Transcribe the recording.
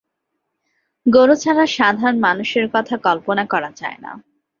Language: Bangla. গরু ছাড়া সাধারণ মানুষের কথা কল্পনা করা যায়না।